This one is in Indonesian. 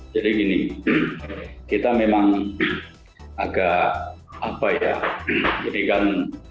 jadi gini kita memang agak apa ya ini kan